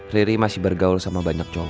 riri masih bergaul sama bambang